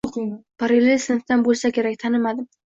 Parallel sinfdan boʻlsa kerak, tanimadim.